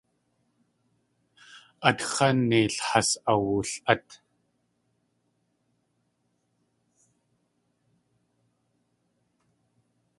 Atx̲á neil has awli.át.